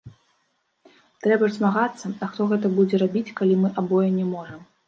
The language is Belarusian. Трэба ж змагацца, а хто гэта будзе рабіць, калі мы абое не можам?